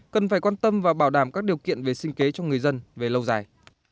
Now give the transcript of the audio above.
cần phải quan tâm và bảo đảm các điều kiện về sinh kế cho người dân về lâu dài